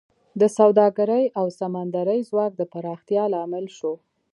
د سوداګرۍ او سمندري ځواک د پراختیا لامل شو